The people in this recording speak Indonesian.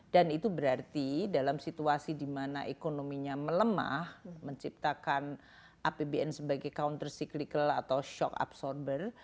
dan itu berarti dalam situasi di mana ekonominya melemah menciptakan apbn sebagai counter cyclical atau shock absorber